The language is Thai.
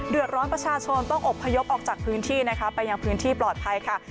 เดือดร้อนประชาชนต้องอบพยพออกจากพื้นที่นะคะไปยังพื้นที่ปลอดภัยค่ะ